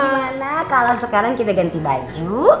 gimana kalau sekarang kita ganti baju